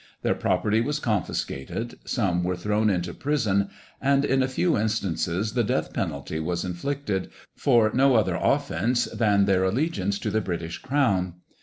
Their property was confiscated, some were thrown into prison, and, in a few instances, the death penalty was inflicted, for no other offence than their allegiance to the British Crown.